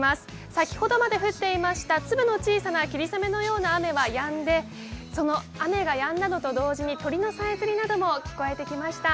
先ほどまで降っていました粒の小さな霧雨のような雨はやんでその雨がやんだのと同時に、鳥のさえずりも聞こえてきました。